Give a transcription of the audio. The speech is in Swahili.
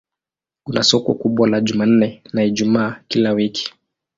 Kuna soko kubwa la Jumanne na Ijumaa kila wiki.